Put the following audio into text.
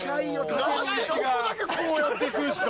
何でここだけこうやって行くんすか？